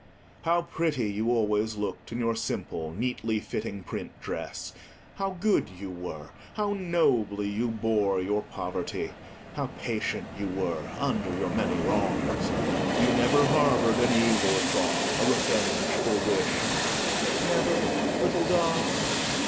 How pretty you always looked in your simple, neatly fitting print dress. How good you were! How nobly you bore your poverty. How patient you were under your many wrongs. You never harboured an evil thought, a revengeful wish—never, little doll?